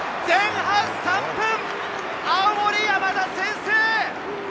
前半３分、青森山田、先制！